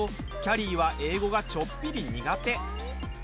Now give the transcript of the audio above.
りーは英語がちょっぴり苦手。